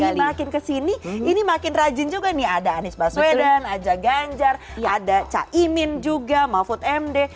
tapi makin kesini ini makin rajin juga nih ada anies baswedan aja ganjar ada caimin juga mahfud md